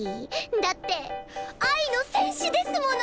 だって愛の戦士ですもの！